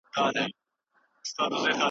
هېڅ اضافي تحلیل ته اړتیا نه وه.